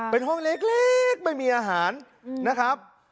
เป็นห้องเล็กไม่มีอาหารนะครับ